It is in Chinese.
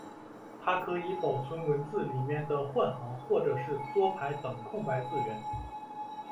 它可以保存文字里面的换行或是缩排等空白字元。